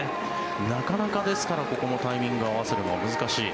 なかなか、ですからここもタイミングを合わせるのが難しい。